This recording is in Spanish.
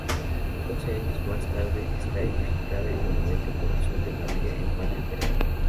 Doce años más tarde está edificada el monumento Corazón de María en Barrio Peral.